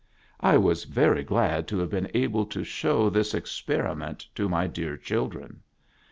I was very glad to have been able to show this ex periment to my dear children.